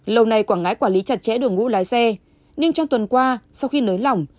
lâu nay quảng ngãi quản lý chặt chẽ đội ngũ lái xe nhưng trong tuần qua sau khi nới lỏng